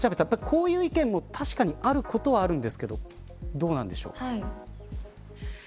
こういう意見も確かにあることはあるんですけどどうなんでしょう。